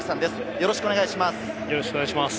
よろしくお願いします。